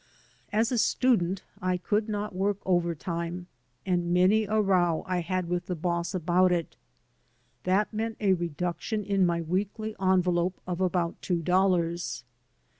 As a student I could not work overtime, and many a row I had with the boss about it. That meant a reduction in my weekly envelope of about two dollars.